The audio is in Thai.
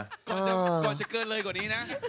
ก่อนจะเกินเลยกว่านี้นะ